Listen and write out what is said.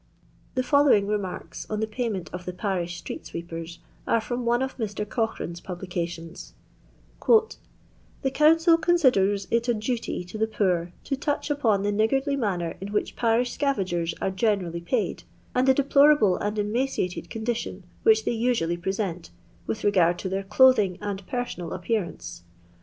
The following remarks on the payment of the parish street sweepers are from one of Mr. Cochrane's publications :—" The council considers it a duty to the poor to touch upon the niggardly manner in which parish scavengers are generally paid, and the deplorable and emaciated condition which they usually pre sent, with regard to their clothing and personal appearance.